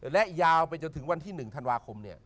และยาวไปจนถึงวันที่๑ธันวาคม